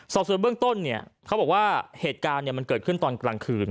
สอบส่วนเบื้องต้นเนี่ยเขาบอกว่าเหตุการณ์มันเกิดขึ้นตอนกลางคืน